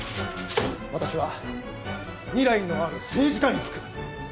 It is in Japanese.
私は未来のある政治家に付く！